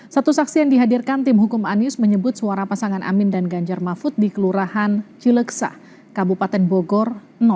satu saksi yang dihadirkan tim hukum anies menyebut suara pasangan amin dan ganjar mahfud di kelurahan cileksah kabupaten bogor